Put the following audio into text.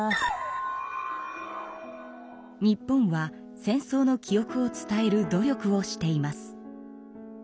日本は戦争の記憶を伝える努力をしています。